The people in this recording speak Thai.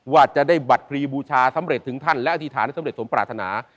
ว่าจะได้บัตรพลีบูชาสำเร็จถึงท่านและอธิษฐานให้สำเร็จสมปรารถนา